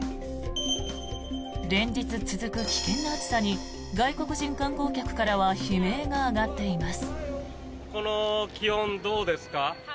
連日続く危険な暑さに外国人観光客からは悲鳴が上がっています。